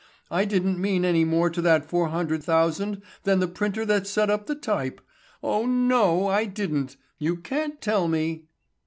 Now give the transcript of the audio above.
I didn't mean any more to that four hundred thousand than the printer that set up the type. Oh, no, I didn't. You can't tell me.